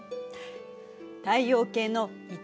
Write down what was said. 太陽系の一